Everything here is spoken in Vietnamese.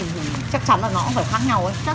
chắc chắn là nó cũng phải khác nhau đấy